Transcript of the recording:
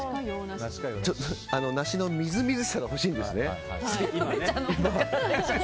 梨のみずみずしさが欲しいんですね。